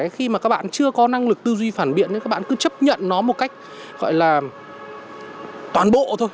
khi mà các bạn chưa có năng lực tư duy phản biện các bạn cứ chấp nhận nó một cách gọi là toàn bộ thôi